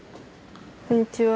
こんにちは。